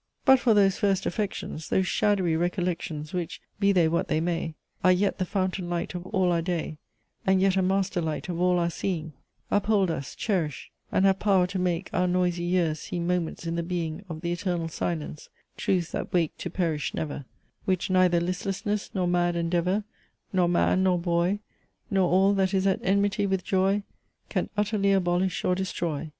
But for those first affections, Those shadowy recollections, Which, be they what they may, Are yet the fountain light of all our day, Are yet a master light of all our seeing; Uphold us cherish and have power to make Our noisy years seem moments in the being Of the eternal Silence; truths that wake To perish never; Which neither listlessness, nor mad endeavour, Nor Man nor Boy, Nor all that is at enmity with joy, Can utterly abolish or destroy!